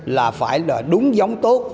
là phải là đúng giống tốt